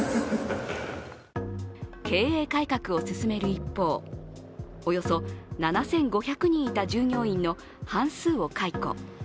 経営改革を進める一方、およそ７５００人いた従業員の半数を解雇。